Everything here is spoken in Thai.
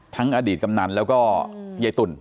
ทั้งอดีตกำนันแล้วก็ใยตุ่น